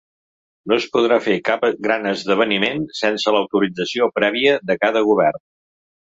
No es podrà fer cap gran esdeveniment sense l’autorització prèvia de cada govern.